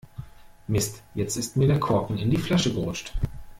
Mist, jetzt ist mir der Korken in die Flasche gerutscht.